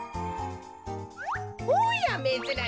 おやめずらしい。